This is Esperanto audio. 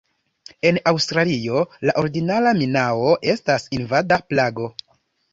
En Aŭstralio, la ordinara minao estas invada plago.